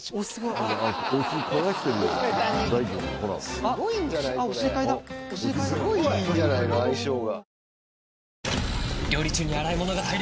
すごいいいんじゃないの？相性が。